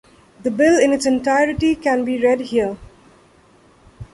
The bill, in its entirety, can be read here.